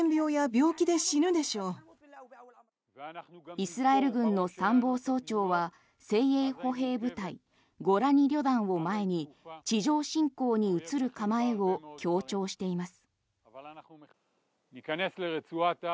イスラエル軍の参謀総長は精鋭歩兵部隊、ゴラニ旅団を前に地上侵攻に移る構えを強調しています。